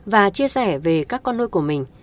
và chia sẻ về các con nuôi của mình